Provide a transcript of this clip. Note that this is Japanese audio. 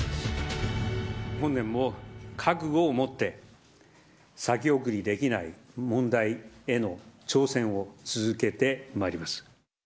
本年も覚悟を持って、先送りできない問題への挑戦を続けてまいります。